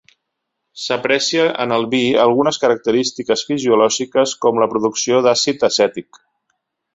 S'aprecia en el vi algunes característiques fisiològiques com la producció d'àcid acètic.